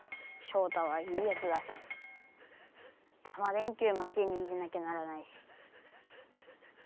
ショウタはいいやつだしタマ電Ｑも手に入れなきゃならないし。